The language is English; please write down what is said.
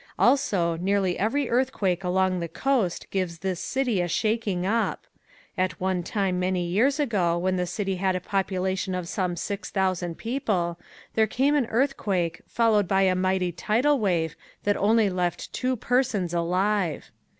Also, nearly every earthquake along the coast gives this city a shaking up. At one time many years ago when the city had a population of some six thousand people there came an earthquake followed by a mighty tidal wave that only left two persons alive.